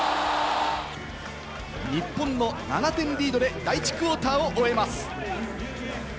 日本の７点リードで第１クオーターを終えます。